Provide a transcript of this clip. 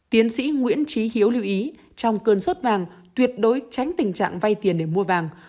tiến sĩ nguyễn trí hiếu lưu ý trong cơn sốt vàng tuyệt đối tránh tình trạng vay tiền để mua vàng